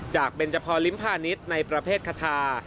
เบนจพรลิ้มพาณิชย์ในประเภทคาทา